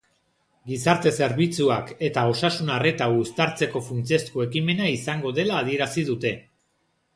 Gizarte-zerbitzuak eta osasun-arreta uztartzeko funtsezko ekimena izango dela adierazi dute.